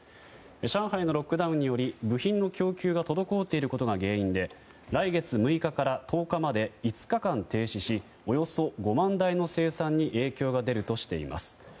上海のロックダウンにより部品の供給が滞っていることが原因で来月６日から１０日まで５日間停止しおよそ５万台の生産に影響が出るとしています。